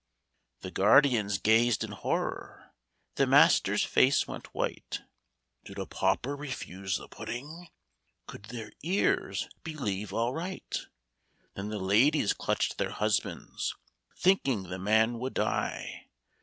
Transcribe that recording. The guardians gazed in horror. The master's face went white ;" Did a pauper refuse their pudding ?' Could their ears believe aright ?" Then the ladies clutched their husbands Thinking the man would die.